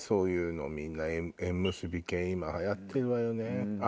みんな縁結び系今はやってるわよね。